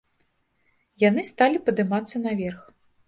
Яны сталі падымацца наверх.